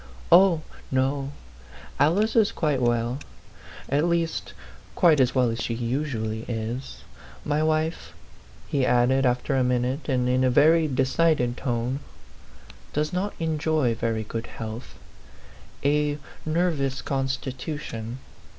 "Oh, no, Alice is quite well; at least, quite as well as she usually is. My wife," he added, after a minute, and in a very de cided tone, " does not enjoy very good health a nervous constitution.